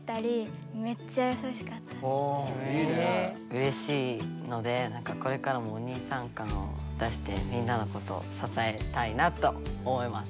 うれしいのでなんかこれからもお兄さん感を出してみんなのことをささえたいなと思います。